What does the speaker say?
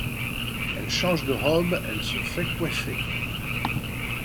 Elle change de robe, elle se fait coiffer.